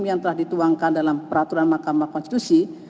yang telah dituangkan dalam peraturan mahkamah konstitusi